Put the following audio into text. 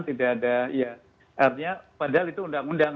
tidak ada ya artinya padahal itu undang undang